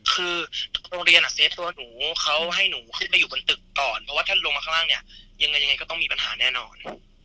คือโรงเรียนอ่ะเซฟตัวหนูเขาให้หนูขึ้นไปอยู่บนตึกก่อนเพราะว่าท่านลงมาข้างล่างเนี่ยยังไงก็ต้องมีปัญหาแน่นอน